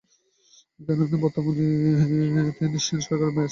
কেননা, বর্তমান Thein Sein সরকারের মেয়াদ শেষ হবে মার্চের শেষ নাগাদ।